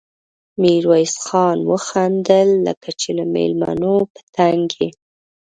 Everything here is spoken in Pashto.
ميرويس خان وخندل: لکه چې له مېلمنو په تنګ يې؟